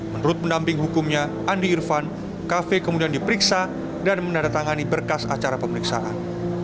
menurut pendamping hukumnya andi irfan kafe kemudian diperiksa dan menandatangani berkas acara pemeriksaan